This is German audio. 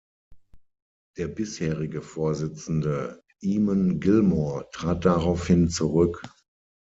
Der bisherige Vorsitzende Eamon Gilmore trat darauf hin zurück.